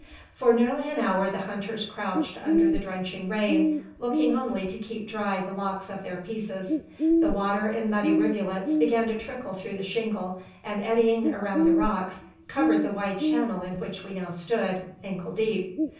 For nearly an hour the hunters crouched under the drenching rain, looking only to keep dry the locks of their pieces. The water, in muddy rivulets, began to trickle through the shingle, and eddying around the rocks, covered the wide channel in which we now stood, ankle deep.